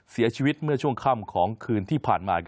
เสียชีวิตเมื่อช่วงค่ำของคืนที่ผ่านมา